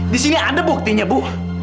disini ada buktinya bu